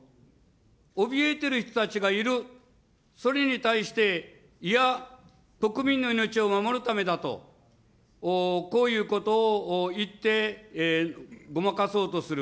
おびえてる人たちがいる、それに対して、いや、国民の命を守るためだと、こういうことを言って、ごまかそうとする。